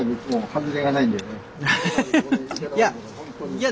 いや。